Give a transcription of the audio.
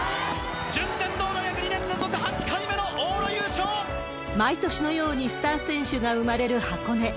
順天堂大学２年、毎年のようにスター選手が生まれる箱根。